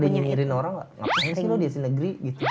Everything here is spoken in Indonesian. pernah di nyirin orang gak ngapain sih lo di asli negeri gitu